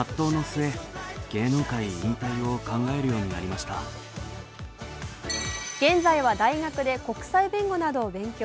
しかし現在は大学で国際弁護などを勉強。